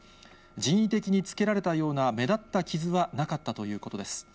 人為的につけられたような目立った傷はなかったということです。